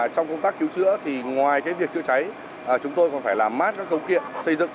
trong công tác cứu chữa thì ngoài việc chữa cháy chúng tôi còn phải làm mát các công kiện xây dựng